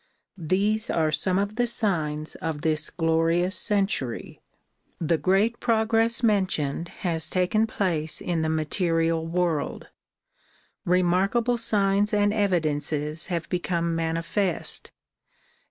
These are some of the signs of this glorious century. The great progress mentioned has taken place in the material world. Remarkable signs and evidences have become manifest.